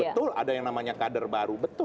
betul ada yang namanya kader baru